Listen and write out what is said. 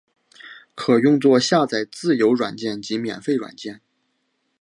可用作下载自由软件及免费软件。